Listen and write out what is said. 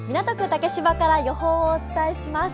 竹芝から予報をお伝えします。